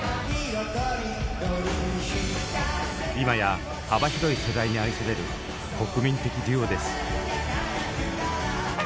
今や幅広い世代に愛される国民的デュオです。